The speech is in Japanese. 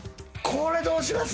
これどうします？